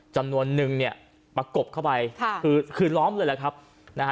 จำนวนนึงเนี่ยประกบเข้าไปค่ะคือคือล้อมเลยแหละครับนะฮะ